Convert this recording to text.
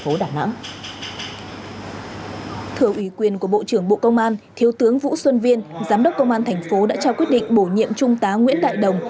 thưa quý vị và các bạn vào sáng ngày hôm nay công an tp đà nẵng đã tổ chức lễ công bố quyết định của bộ trưởng bộ công an thiếu tướng vũ xuân viên giám đốc công an tp đã trao quyết định bổ nhiệm trung tá nguyễn đại đồng